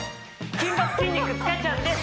金髪筋肉塚ちゃんです！